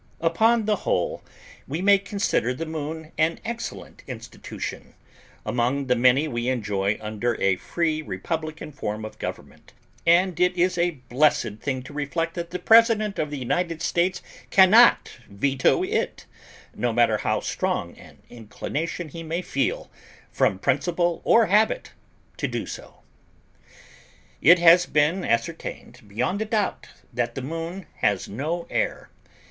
Upon the whole, we may consider the Moon an excellent institution, among the many we enjoy under a free, republican form of government, and it is a blessed thing to reflect that the President of the United States can not veto it, no matter how strong an inclination he may feel, from principle or habit, to do so. It has been ascertained beyond a doubt that the Moon has no air.